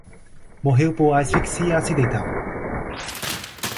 Morreu por asfixia acidental